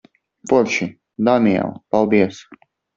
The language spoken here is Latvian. Forši, Daniel. Paldies.